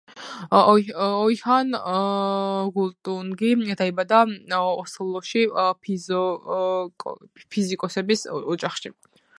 იოჰან გალტუნგი დაიბადა ოსლოში, ფიზიკოსების ოჯახში.